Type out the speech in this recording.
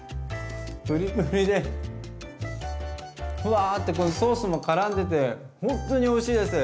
プリプリでふわってこのソースもからんでてほんとにおいしいです。